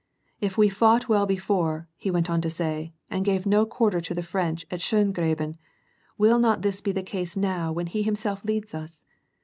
If we fought well before," he went on to say, " and gave no quarter to the French at Schdngraben, will not this be the case now when he himself leads us